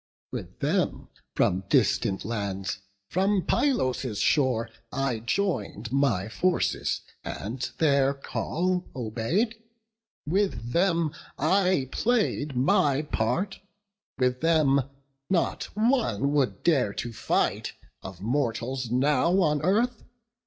With them from distant lands, from Pylos' shore I join'd my forces, and their call obey'd; With them I play'd my part; with them, not one Would dare to fight of mortals now on earth.